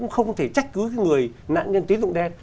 không thể trách cứ cái người nạn nhân tín dụng đen